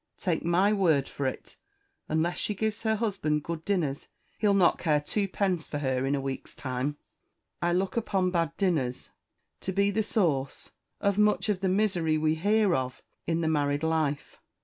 Take my word for it, unless she gives her husband good dinners he'll not care twopence for her in a week's time. I look upon bad dinners to be the source of much of the misery we hear of in the married life.